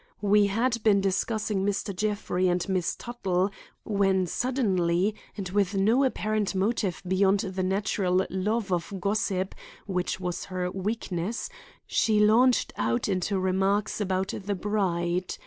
We had been discussing Mr. Jeffrey and Miss Tuttle, when suddenly, and with no apparent motive beyond the natural love of gossip which was her weakness, she launched out into remarks about the bride.